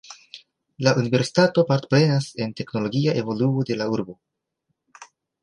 La universitato partoprenas en teknologia evoluo de la urbo.